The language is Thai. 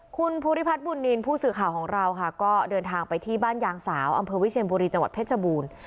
คุณภูริพัฒน์บุญนินทร์ผู้สื่อข่าวของเราค่ะก็เดินทางไปที่บ้านยางสาวอำเภอวิเชียนบุรีจังหวัดเพชรบูรณ์